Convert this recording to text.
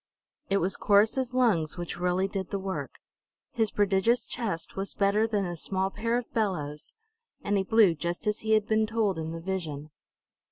It was Corrus's lungs which really did the work. His prodigious chest was better than a small pair of bellows, and he blew just as he had been told in the vision.